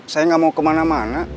saya nggak mau kemana mana